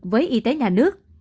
với y tế nhà nước